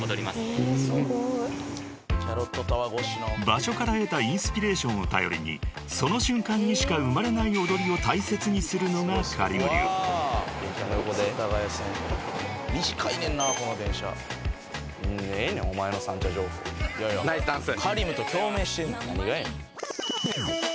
［場所から得たインスピレーションを頼りにその瞬間にしか生まれない踊りを大切にするのがＫａｒｉｍ流］ナイスダンス！